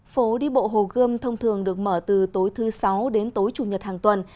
phố đi bộ hồ gươm thông thường được mở từ tối thứ sáu đến tối chủ nhật hàng tuần